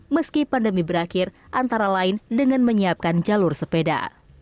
meski pandemi berakhir antara lain dengan menyiapkan jalur sepeda